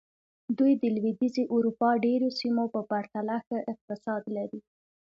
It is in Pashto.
دوی د لوېدیځې اروپا ډېرو سیمو په پرتله ښه اقتصاد لري.